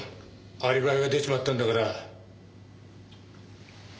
アリバイが出ちまったんだから。